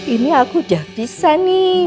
ini aku udah bisa nih